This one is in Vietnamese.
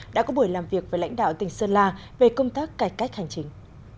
đã có buổi làm việc với lãnh đạo tỉnh sơn la về công tác cải cách hành chính